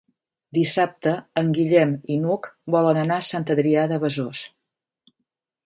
Dissabte en Guillem i n'Hug volen anar a Sant Adrià de Besòs.